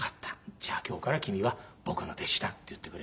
「じゃあ今日から君は僕の弟子だ」って言ってくれて。